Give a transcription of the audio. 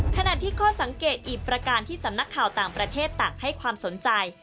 ขณะที่ข้อสังเกตอีกประการที่สำนักข่าวต่างประเทศต่างให้ความสนใจ